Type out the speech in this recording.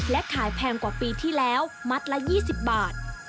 และขายแพงกว่าปีที่แล้วมัดละ๒๐บาท